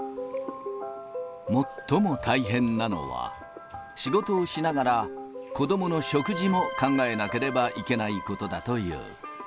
最も大変なのは、仕事をしながら、子どもの食事も考えなければいけないことだという。